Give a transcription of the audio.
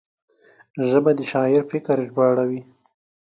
ژبه د شاعر فکر ژباړوي